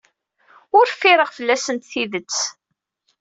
Ur ffireɣ fell-asent tidet.